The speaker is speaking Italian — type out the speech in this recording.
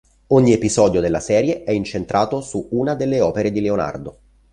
Ogni episodio della serie è incentrato su una delle opere di Leonardo.